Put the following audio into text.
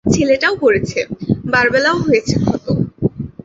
ছেলেটাও পড়েছে, বারবেলাও হয়েছে খতম্!